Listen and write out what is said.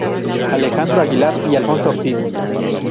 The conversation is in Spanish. Alejandro Aguilar y Alfonso Ortiz.